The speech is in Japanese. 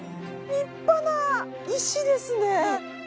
立派な石ですね。